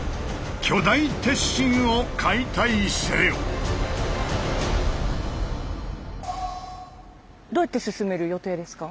ただ我々どうやって進める予定ですか？